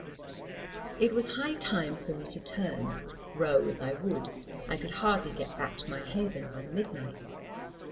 "It was high time for me to turn: row as I would, I could hardly get back to my haven by midnight.